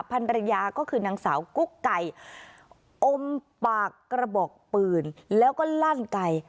ภรรยาก็คือนางสาวกุ๊กไก่อมปากกระบอกปืนแล้วก็ลั่นไก่